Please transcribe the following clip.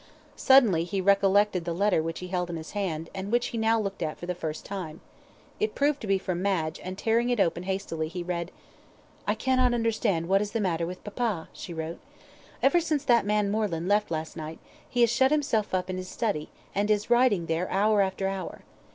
Suddenly he recollected the letter which he held in his hand, and which he now looked at for the first time. It proved to be from Madge, and tearing it open hastily, he read it. "I cannot understand what is the matter with papa," she wrote. "Ever since that man Moreland left last night, he has shut himself up in his study, and is writing there hour after hour.